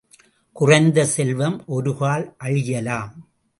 குறைந்த செல்வம் ஒருகால் அழியலாம்.